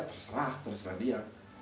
terserah terserah dia